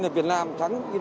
là việt nam thắng indo một